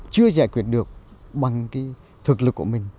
chưa giải quyết được bằng thực lực của mình